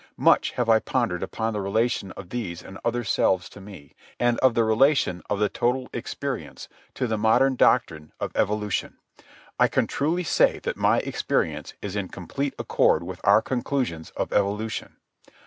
Much have I pondered upon the relation of these other selves to me, and of the relation of the total experience to the modern doctrine of evolution. I can truly say that my experience is in complete accord with our conclusions of evolution.